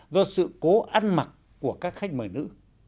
do sự cố ăn mặc của các khách mời nữ